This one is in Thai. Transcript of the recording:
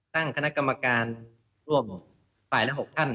ตั้งคณะกรรมการร่วมฝ่ายละ๖ท่าน